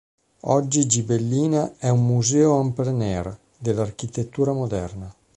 Oggi Gibellina è un museo "en plein air" dell'architettura moderna.